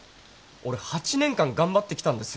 俺８年間頑張ってきたんですよ